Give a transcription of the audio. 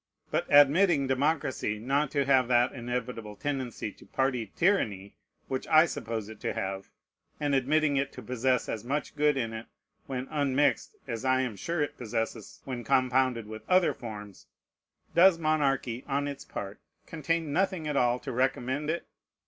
But admitting democracy not to have that inevitable tendency to party tyranny which I suppose it to have, and admitting it to possess as much good in it when unmixed as I am sure it possesses when compounded with other forms; does monarchy, on its part, contain nothing at all to recommend it?